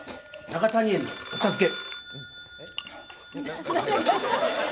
永谷園お茶漬け。